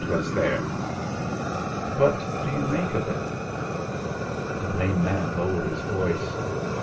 was there." "What do you make of it?" The lame man lowered his voice.